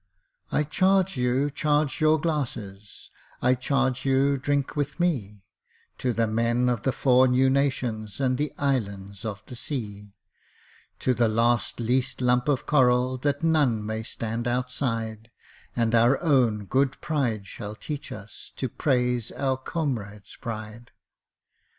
I charge you charge your glasses I charge you drink with me To the men of the Four New Nations, And the Islands of the Sea To the last least lump of coral That none may stand outside, And our own good pride shall teach us To praise our comrade's pride!